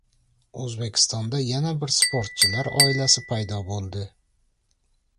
O‘zbekistonda yana bir sportchilar oilasi paydo bo‘ladi